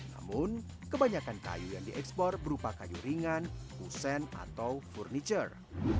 namun kebanyakan kayu yang diekspor berupa kayu ringan kusen atau furniture